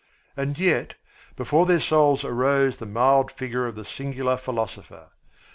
And yet before their souls arose the mild figure of the singular philosopher.